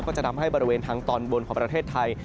จะทำให้บริเวณทางตอนบนของประเทศไทย